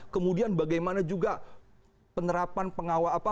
kemudian bagaimana juga penerapan pengawal apa